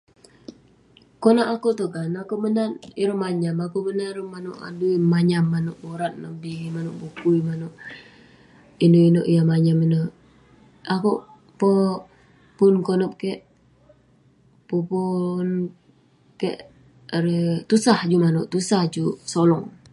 Konak akuek ituek kan konak akuek menat ireh manyam akuek menat ireh manuek adui ineh manyam manuek borat ineh bi borat ineh bi ineuk-inuek yah manyam ineh, akuek peh pun koluk kek pun peh kek larui tusah juk manuek tusah juk sulung